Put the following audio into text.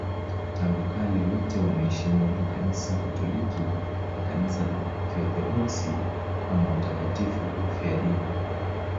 Tangu kale wote wanaheshimiwa na Kanisa Katoliki na Kanisa la Kiorthodoksi kama watakatifu wafiadini.